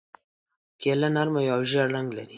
کیله نرمه وي او ژېړ رنګ لري.